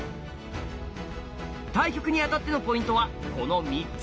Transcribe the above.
対局にあたってのポイントはこの３つ！